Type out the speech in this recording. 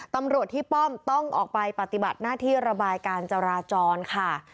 ตำรวจที่ป้อมต้องออกไปปฏิบัติหน้าที่ระบายการจราจรค่ะ